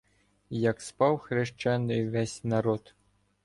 Як спав хрещений ввесь народ.